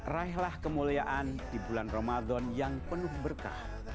raihlah kemuliaan di bulan ramadan yang penuh berkah